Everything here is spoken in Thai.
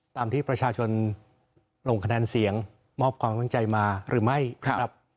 ตามที่ประชาชนลงคะแนนเสียงมอบความตั้งใจมาหรือไม่ครับ